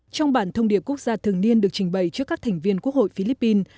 trong bản thông điệp quốc gia thường niên được trình bày trước các thành viên quốc hội philippines